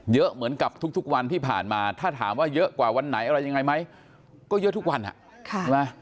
เยอะเหมือนกับทุกวันที่ผ่านมาถ้าถามว่าเยอะกว่าวันไหนอะไรยังไงไหมก็เยอะทุกวัน